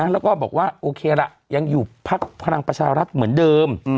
แล้วก็บอกว่าโอเคล่ะยังอยู่พักพลังประชารัฐเหมือนเดิม